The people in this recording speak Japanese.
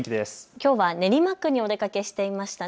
きょうは練馬区にお出かけしていましたね。